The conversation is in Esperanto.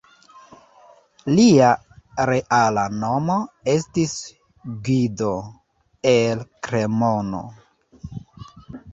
Lia reala nomo estis Guido el Kremono.